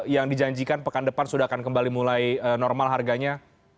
yang dijanjikan pekan depan sudah akan kembali mulai normal harganya